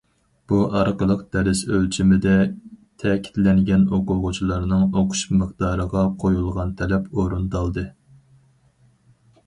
بۇ ئارقىلىق دەرس ئۆلچىمىدە تەكىتلەنگەن ئوقۇغۇچىلارنىڭ ئوقۇش مىقدارىغا قويۇلغان تەلەپ ئورۇندالدى.